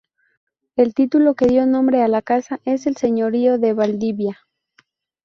El título que dio nombre a la casa es el Señorío de Valdivia.